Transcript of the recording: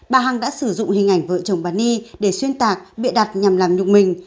bà hằng đã sử dụng hình ảnh vợ chồng bà ni để xuyên tạc bịa đặt nhằm làm nhục mình